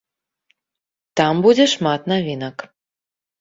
Там будзе шмат навінак.